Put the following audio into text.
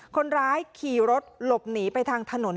คนร้ายขี่รถหลบหนีไปทางถนน